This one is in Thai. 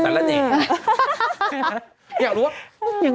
ต้องติดใจอ่อนโยนบ้าง